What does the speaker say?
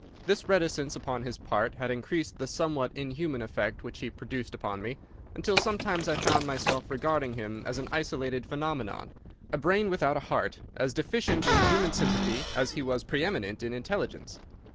This reticence upon his part had increased the somewhat inhuman effect which he produced upon me, until sometimes I found myself regarding him as an isolated phenomenon, a brain without a heart, as deficient in human sympathy as he was pre eminent in intelligence.